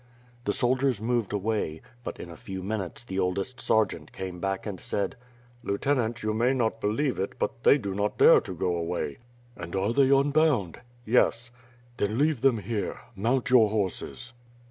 The soldiers moved away, but in a few minutes the oldest sergeant came back and said: "Lieutenant, you may not believe it, but they do not dare to go away." "And are they unbound?" "Yes.^* "Then leave them here. Mount your horses."